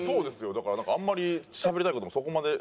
だからなんかあんまりしゃべりたい事もそこまで。